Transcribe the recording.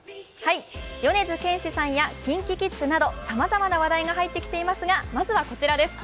米津玄師さんやＫｉｎＫｉＫｉｄｓなど、さまざまな話題が入ってきていますがまずはこちらです。